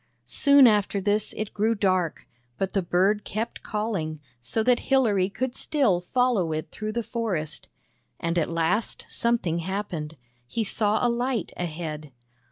Soon after this it grew dark, but the bird kept calling, so that Hilary could still follow it through the forest. And at last something happened : he saw •a light ahead.